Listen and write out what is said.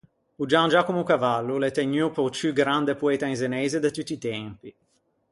O Gian Giacomo Cavallo o l’é tegnuo pe-o ciù grande poeta in zeneise de tutti i tempi.